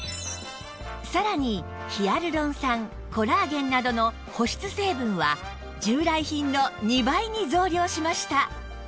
さらにヒアルロン酸コラーゲンなどの保湿成分は従来品の２倍に増量しました